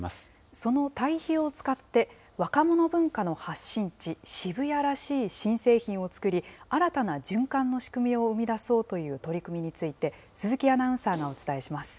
その堆肥を使って、若者文化の発信地、渋谷らしい新製品を作り、新たな循環の仕組みを生み出そうという取り組みについて、鈴